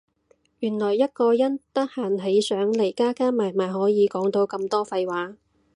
原來一個人得閒起上嚟加加埋埋可以講到咁多廢話